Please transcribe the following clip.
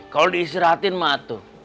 kalau diistirahatin mak tuh